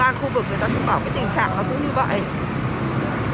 an khu vực người ta cũng bảo cái tình trạng nó cũng như vậy